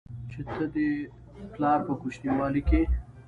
چې ته دې پلار په کوچينوالي کې